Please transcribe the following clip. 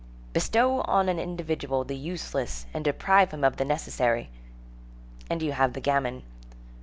Bestow on an individual the useless and deprive him of the necessary, and you have the gamin.